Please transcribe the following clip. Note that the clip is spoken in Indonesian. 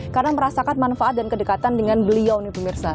karena merasakan manfaat dan kedekatan dengan beliau nih pemirsa